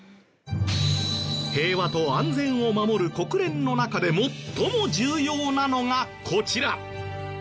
平和と安全を守る国連の中で最も重要なのがこちら！